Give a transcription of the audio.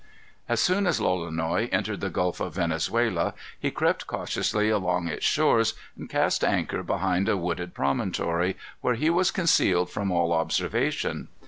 As soon as Lolonois entered the Gulf of Venezuela, he crept cautiously along its shores, and cast anchor behind a wooded promontory, where he was concealed from all observation.